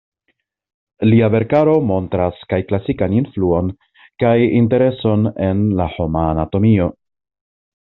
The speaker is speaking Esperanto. Lia verkaro montras kaj klasikan influon kaj intereson en la homa anatomio.